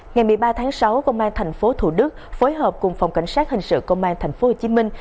ngày một mươi ba tháng sáu công an thành phố thủ đức phối hợp cùng phòng cảnh sát hình sự công an thành phố hồ chí minh